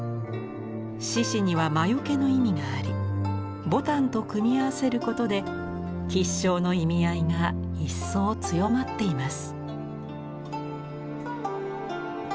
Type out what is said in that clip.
獅子には魔よけの意味があり牡丹と組み合わせることで吉祥の意味合いが一層強まっています。